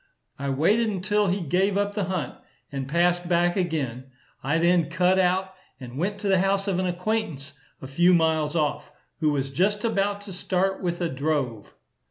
I waited until he gave up the hunt, and passed back again: I then cut out, and went to the house of an acquaintance a few miles off, who was just about to start with a drove.